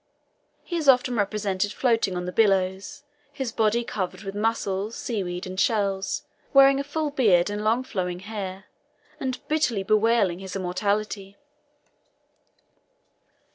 He is often represented floating on the billows, his body covered with mussels, sea weed, and shells, wearing a full beard and long flowing hair, and bitterly bewailing his immortality.